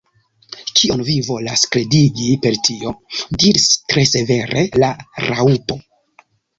"Kion vi volas kredigi per tio?" diris tre severe la Raŭpo.